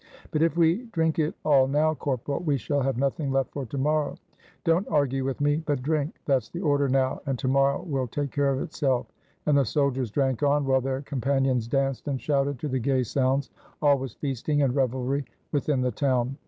"But if we drink it all now, corporal, we shall have nothing left for to morrow." "Don't argue with me, but drink; that's the order now, and to morrow will take care of itself." And the soldiers drank on, while their companions danced and shouted to the gay sounds. All was feasting and rev elry within the town.